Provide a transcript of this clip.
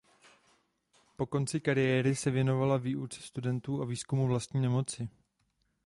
Po konci kariéry se věnovala výuce studentů a výzkumu vlastní nemoci.